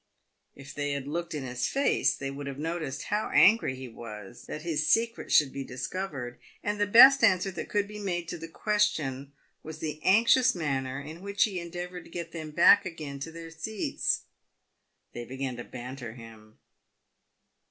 If they had looked in his face, they would have noticed how angry he was that his secret should be discovered, and the best answ r er that could be made to the question was the anxious manner in which he endeavoured to get them back again to their seats. They began to banter him.